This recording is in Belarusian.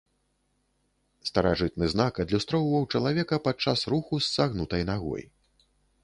Старажытны знак адлюстроўваў чалавека падчас руху з сагнутай нагой.